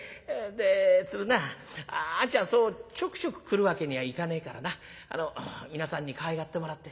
で鶴なあんちゃんそうちょくちょく来るわけにはいかねえからな皆さんにかわいがってもらって。